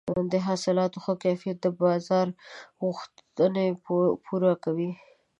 د حاصلاتو ښه انتقال د بازار غوښتنې پوره کوي.